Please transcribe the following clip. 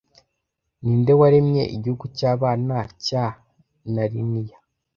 Ninde waremye igihugu cyabana cya Narnia